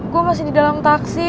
gue masih di dalam taksi